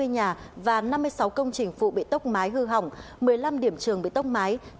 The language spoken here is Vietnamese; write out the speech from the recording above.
hai chín trăm hai mươi nhà và năm mươi sáu công trình phụ bị tốc mái hư hỏng một mươi năm điểm trường bị tốc mái